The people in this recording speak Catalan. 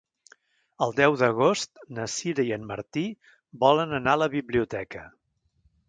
El deu d'agost na Sira i en Martí volen anar a la biblioteca.